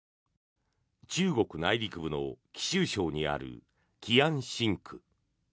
中国内陸部の貴州省にある貴安新区。